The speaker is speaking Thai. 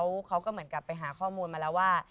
เขาก็เหมือนกับไปหาข้อมูลมาแล้วว่า